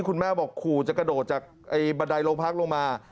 คุณแม่บอกขู่จะกระโดดจากบันไดโรงพักลงมา